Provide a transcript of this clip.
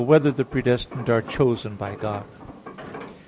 4] Whether the Predestined Are Chosen by God?